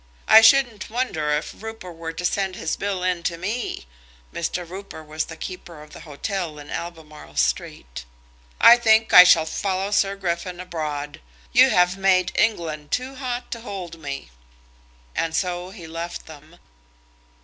I shouldn't wonder if Rooper were to send his bill in to me," Mr. Rooper was the keeper of the hotel in Albemarle Street, "I think I shall follow Sir Griffin abroad. You have made England too hot to hold me." And so he left them.